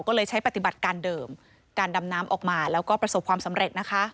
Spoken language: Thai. ก็เลยใช้ปฏิบัติการเดิมการดำน้ำออกมาแล้วก็ประสบความสำเร็จนะคะ